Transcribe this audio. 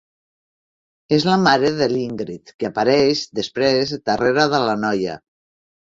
És la mare de l'Ingrid, que apareix després darrera de la noia.